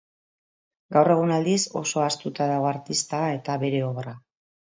Gaur egun, aldiz, oso ahaztuta dago artista eta bere obra.